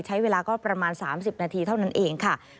ใช้เวลาก็ประมาณ๓๐นาทีเท่านั่น